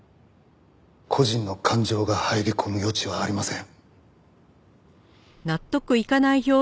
個人の感情が入り込む余地はありません。